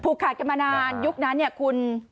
ขาดกันมานานยุคนั้นเนี่ยคุณ